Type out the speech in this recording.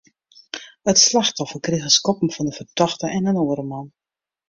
It slachtoffer krige skoppen fan de fertochte en in oare man.